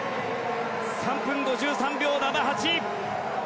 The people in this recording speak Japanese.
３分５３秒７８。